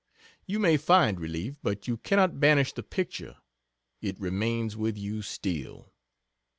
You may find relief, but you cannot banish the picture It remains with you still.